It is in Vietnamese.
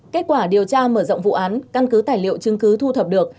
kết quả điều tra mở rộng vụ án căn cứ tài liệu chứng cứ thu thập được